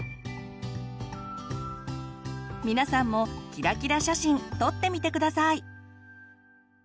皆さんもキラキラ写真撮ってみて下さい！